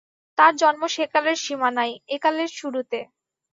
তাঁর জন্ম সেকালের সীমানায়, একালের শুরুতে।